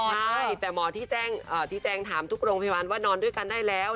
ใช่แต่หมอที่แจ้งถามทุกโรงพยาบาลว่านอนด้วยกันได้แล้ว